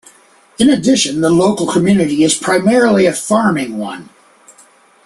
In addition, the local community is primarily a farming one.